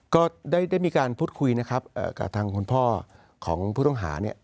ก็ได้มีการพูดคุยนะครับกับทางคุณพ่อของผู้ต้องหาเนี่ย